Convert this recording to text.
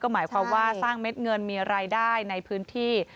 หมายความว่าสร้างเม็ดเงินมีรายได้ในพื้นที่